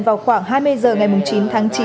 vào khoảng hai mươi h ngày chín tháng chín